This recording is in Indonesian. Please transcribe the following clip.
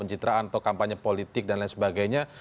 pencitraan atau kampanye politik dan lain sebagainya